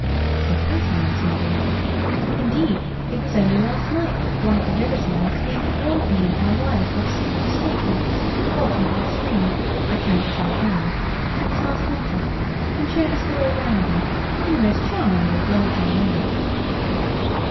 "Several times, my dear. Indeed, it was only last night that one at the river's mouth came and warned me and my wife of some new stake nets which had got into the stream, I cannot tell how, since last winter, and showed us the way round them, in the most charmingly obliging way."